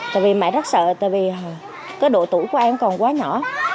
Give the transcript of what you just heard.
tại vì mẹ rất sợ tại vì cái độ tuổi của em còn quá nhỏ